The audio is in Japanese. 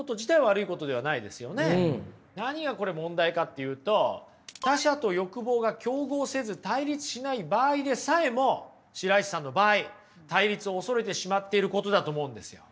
何がこれ問題かっていうと他者と欲望が競合せず対立しない場合でさえも白石さんの場合対立を恐れてしまってることだと思うんですよ。